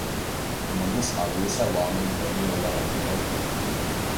Imma n-nies qalu li sewwa għamel il-Gvern li għolla l-alkoħol!